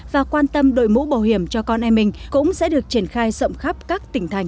và quan tâm đội mũ bảo hiểm cho con em mình cũng sẽ được triển khai rộng khắp các tỉnh thành